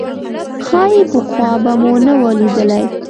ښايي پخوا به مو نه وه لیدلې.